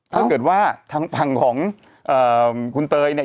ถ้าเกิดว่าทางฝั่งของคุณเตยเนี่ย